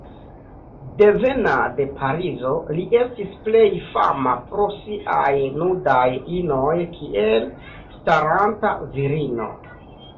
Devena de Parizo, li estis plej fama pro siaj nudaj inoj kiel "Staranta Virino".